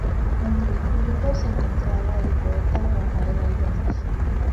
Entre el público se encontraba el poeta Rafael Alberti.